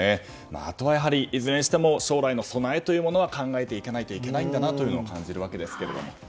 あとはやはり、いずれにしても将来への備えというものは考えていかないといけないんだなと感じるわけですが。